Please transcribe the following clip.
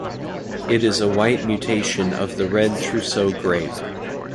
It is a white mutation of the red Trousseau grape.